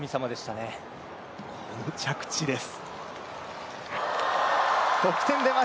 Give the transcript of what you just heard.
この着地です。